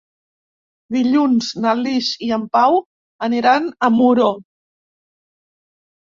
Dilluns na Lis i en Pau aniran a Muro.